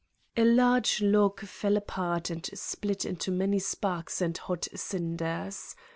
...' A large log fell apart and split into many sparks and hot cinders.